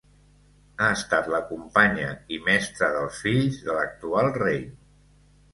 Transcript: Ha estat la companya i mestra dels fills de l'actual rei.